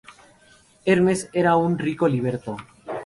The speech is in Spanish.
Hermes era un rico liberto.